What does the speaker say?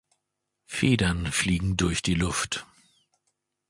Federn fliegen durch die Luft.